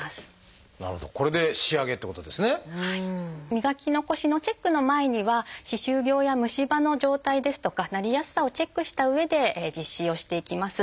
磨き残しのチェックの前には歯周病や虫歯の状態ですとかなりやすさをチェックしたうえで実施をしていきます。